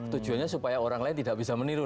tujuannya supaya orang lain tidak bisa meniru